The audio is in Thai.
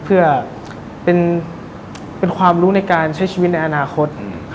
เพื่อเป็นความรู้ในการใช้ชีวิตในอนาคต